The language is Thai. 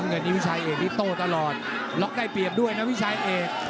เพราะว่านี้วิชายเอกที่โตตลอดล็อกได้เปรียบด้วยนะวิชายเอก